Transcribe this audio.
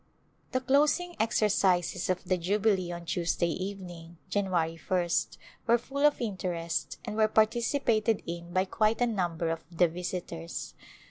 The closing exercises of the Jubilee on Tuesday evening, January ist, were full of interest and were participated in by quite a number of the visitors.